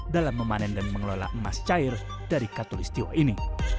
dalam memanen dan mengelola emas cair dari katulistiwa ini